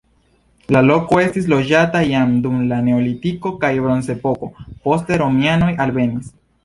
La loko estis loĝata jam dum la neolitiko kaj bronzepoko, poste romianoj alvenis.